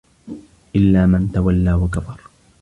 إِلّا مَن تَوَلّى وَكَفَرَ